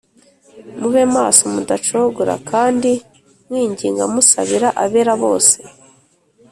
Mube maso mudacogora kandi mwinginga musabira abera bose